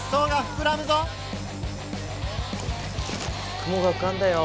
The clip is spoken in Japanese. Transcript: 雲がうかんだよ。